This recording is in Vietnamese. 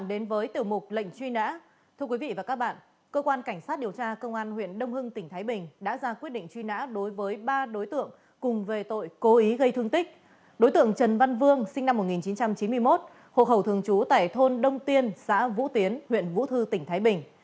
đối tượng trần văn vương sinh năm một nghìn chín trăm chín mươi một hộ khẩu thường trú tại thôn đông tiên xã vũ tiến huyện vũ thư tỉnh thái bình